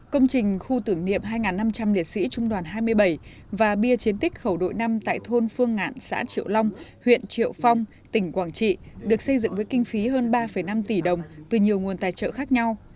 công trình khu tưởng niệm hai năm trăm linh liệt sĩ trung đoàn hai mươi bảy và bia chiến tích khẩu đội năm tại thôn phương ngạn xã triệu long huyện triệu phong tỉnh quảng trị được xây dựng với kinh phí hơn ba năm tỷ đồng từ nhiều nguồn tài trợ khác nhau